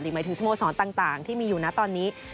หมายถึงสโมสรต่างที่มีอยู่นะตอนนี้